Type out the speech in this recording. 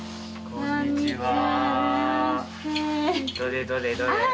こんにちは。